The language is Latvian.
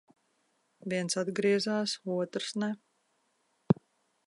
Viens atgriezās, otrs ne.